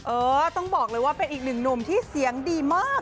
เออต้องบอกเลยว่าเป็นอีกหนึ่งหนุ่มที่เสียงดีมาก